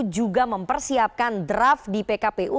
juga mempersiapkan draft di pkpu